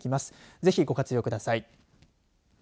ぜひご活用ください。